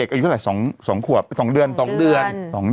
เป็นการกระตุ้นการไหลเวียนของเลือด